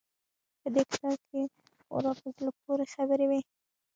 په دې کتاب کښې خورا په زړه پورې خبرې وې.